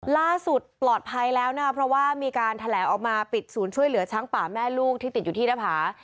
ล่าสุดปลอดภัยแล้วนะคะเพราะว่ามีการแถลงออกมาปิดศูนย์ช่วยเหลือช้างป่าแม่ลูกที่ติดอยู่ที่หน้าผา